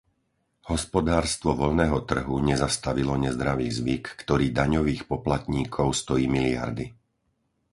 Hospodárstvo voľného trhu nezastavilo nezdravý zvyk, ktorý daňových poplatníkov stojí miliardy.